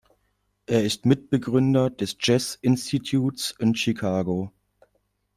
Er ist Mitgründer des Jazz Institutes in Chicago.